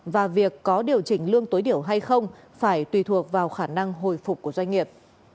và việc có điều chỉnh lương tối thiểu hay không phải tùy thuộc vào khả năng hồi phục của doanh nghiệp